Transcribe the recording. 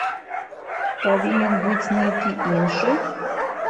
Павінен быць нейкі іншы?